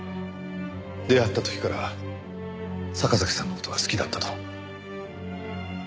出会った時から坂崎さんの事が好きだったと。